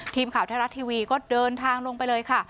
ทีมข่าวไทยรัฐทีวีก็เดินทางลงไปเลยค่ะ